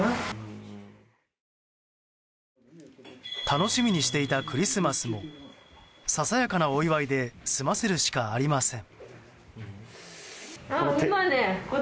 楽しみにしていたクリスマスもささやかなお祝いで済ませるしかありません。